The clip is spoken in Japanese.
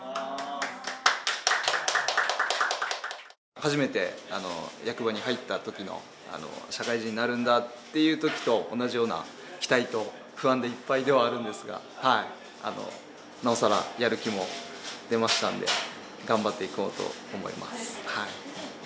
初めて役場に入った時の社会人になるんだっていう時と同じような期待と不安でいっぱいではあるんですがなおさらやる気も出ましたので頑張っていこうと思います。